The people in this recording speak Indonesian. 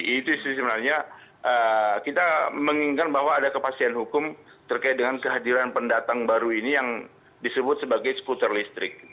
itu sih sebenarnya kita menginginkan bahwa ada kepastian hukum terkait dengan kehadiran pendatang baru ini yang disebut sebagai skuter listrik